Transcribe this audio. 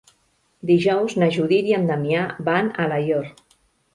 Dijous na Judit i en Damià van a Alaior.